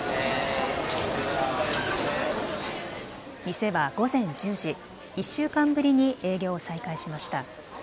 店は午前１０時、１週間ぶりに営業を再開しました。